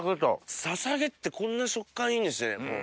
ささげってこんな食感いいんですね。